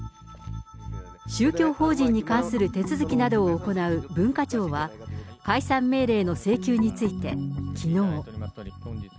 宗教法人に関する手続きなどを行う文化庁は、解散命令の請求について、きのう。